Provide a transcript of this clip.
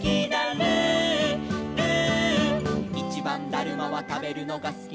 「ルールー」「いちばんだるまはたべるのがすき」